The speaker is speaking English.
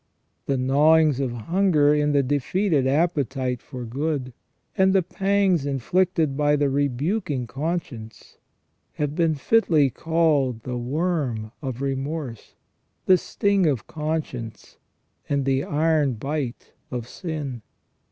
The gnawings of hunger in the defeated appetite for good, and the pangs inflicted by the rebuking conscience, have been fitly called the worm of remorse, the sting of conscience, and the iron bite of sin.